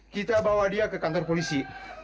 kita bawa dia ke kantor polisi